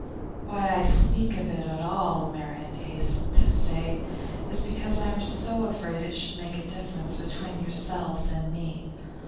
'Why I speak of it at all,' Marian hastened to say, 'is because I am so afraid it should make a difference between yourselves and me.